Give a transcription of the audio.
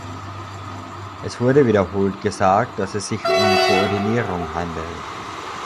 Es wurde wiederholt gesagt, dass es sich um Koordinierung handelt.